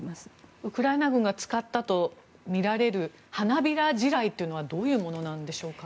ウクライナ軍が使ったとみられる花びら地雷というのはどういうものなんでしょうか。